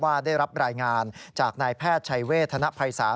ได้รับรายงานจากนายแพทย์ชัยเวทธนภัยศาส